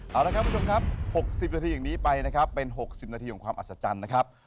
เอาละครับคุณผู้ชมครับ๖๐นาทีอย่างนี้ไปนะครับเป็น๖๐นาทีของความอัศจรรย์นะครับ